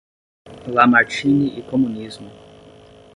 Lamartine e Comunismo